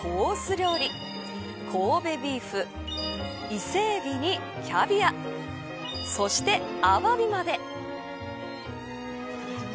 料理神戸ビーフ伊勢エビにキャビアそして、アワビまで。